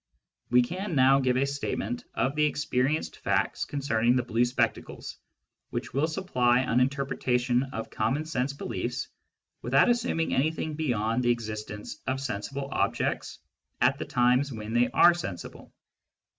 We can now give a statement of the experienced facts concerning the blue spectacles, which will supply an interpretation of common sense beliefs without assuming anything beyond the existence of sensible objects at the times when they , are sensible.